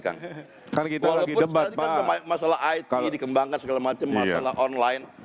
walaupun tadi kan masalah it dikembangkan segala macam masalah online